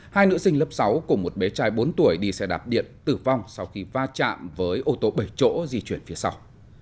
hai nữ sinh lớp sáu cùng một bé trai bốn tuổi đi xe đạp điện tử vong sau khi va chạm với ô tô bảy chỗ di chuyển phía sau